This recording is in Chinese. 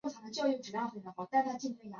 此应用也可用来增加或管理套件库。